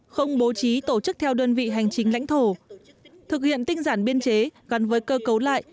không bố trí tổ chức theo đơn vị hành chính lãnh thổ thực hiện tinh giản biên chế gắn với cơ cấu lại